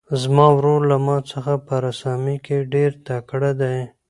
زما ورور له ما څخه په رسامۍ کې ډېر تکړه دی.